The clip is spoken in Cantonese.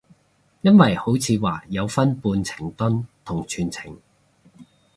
因為好似話有分半程蹲同全程